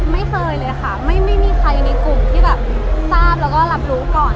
ไม่เคยเลยค่ะไม่มีใครในกลุ่มที่แบบลับรู้ก่อน